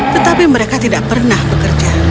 tetapi mereka tidak pernah bekerja